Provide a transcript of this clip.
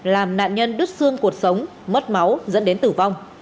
làm nạn nhân đứt xương cuộc sống mất máu dẫn đến tử vong